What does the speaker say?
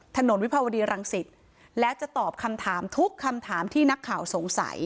วิภาวดีรังสิตแล้วจะตอบคำถามทุกคำถามที่นักข่าวสงสัย